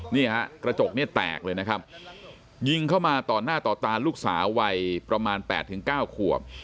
นี่ฮะกระจกเนี่ยแตกเลยนะครับยิงเข้ามาต่อหน้าต่อตาลูกสาววัยประมาณ๘๙ขวบ